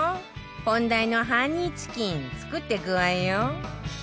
本題のハニーチキン作ってくわよ